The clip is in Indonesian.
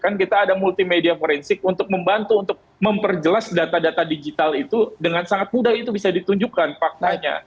kan kita ada multimedia forensik untuk membantu untuk memperjelas data data digital itu dengan sangat mudah itu bisa ditunjukkan faktanya